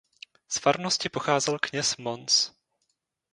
Z farnosti pocházel kněz Mons.